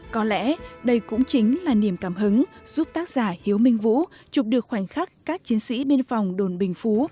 có lẽ đây cũng chính là niềm cảm hứng giúp tác giả hiếu minh vũ chụp được khoảnh khắc các chiến sĩ biên phòng đồn bình phú